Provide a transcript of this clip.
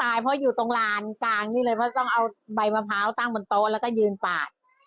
เพราะอยู่ตรงลานกลางนี่เลยเพราะต้องเอาใบมะพร้าวตั้งบนโต๊ะแล้วก็ยืนปาด